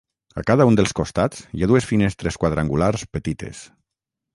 A cada un dels costats hi ha dues finestres quadrangulars petites.